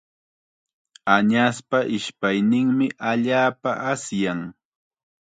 Añaspa ishpayninmi allaapa asyan.